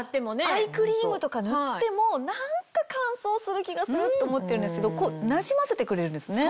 アイクリームとか塗っても何か乾燥する気がすると思ってるんですけどなじませてくれるんですね。